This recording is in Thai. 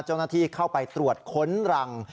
เจ้าหน้าที่เข้าไปตรวจค้นรัง